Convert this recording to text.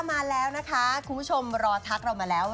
คุณผู้ชมรอทักเรามาแล้ว